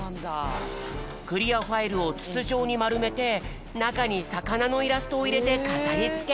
クリアファイルをつつじょうにまるめてなかにさかなのイラストをいれてかざりつけ。